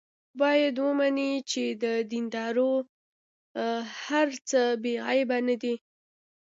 باید ومني چې د دیندارو هر څه بې عیبه نه دي.